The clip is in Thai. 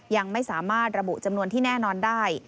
ยังไม่สามารถระบุจำนวนที่แน่นอนได้